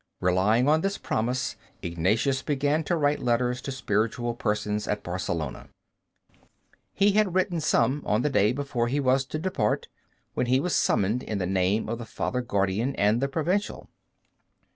Relying on this promise, Ignatius began to write letters to spiritual persons at Barcelona. He had written some on the day before he was to depart, when he was summoned in the name of the Father Guardian and the Provincial.